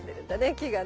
木がね。